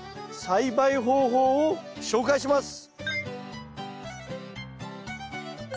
栽培方法を紹介します。